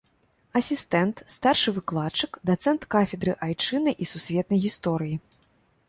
Асістэнт, старшы выкладчык, дацэнт кафедры айчыннай і сусветнай гісторыі.